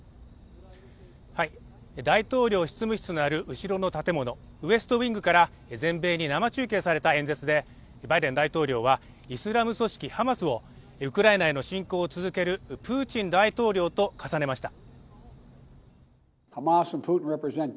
大統領執務室のある後ろの建物ウエストウイングから全米に生中継された演説でバイデン大統領はイスラム組織ハマスをウクライナへの侵攻を続けるプーチン大統領と重ねました